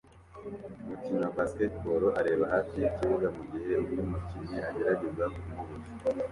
Umukinnyi wa basketball areba hafi yikibuga mugihe undi mukinnyi agerageza kumubuza